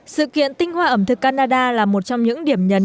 sự kiện tinh hoa ẩm thực canada là một trong những điểm nhấn